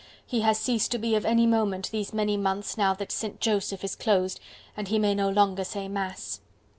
he has ceased to be of any moment these many months now that Saint Joseph is closed and he may no longer say Mass."